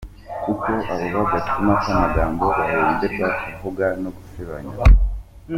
Kuko abo ba gacuma k’amagambo bahemberwa kuvuga no gusebanya.